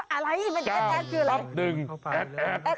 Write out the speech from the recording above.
อะไรแอดแอดคืออะไร๙ทับ๑แอดแอด